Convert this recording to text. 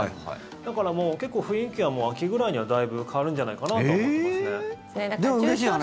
だから、結構雰囲気はもう秋ぐらいにはだいぶ変わるんじゃないかなとは思ってますね。